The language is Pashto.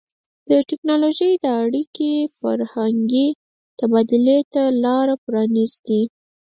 د ټیکنالوژۍ دا اړیکې فرهنګي تبادلې ته لار پرانیزي.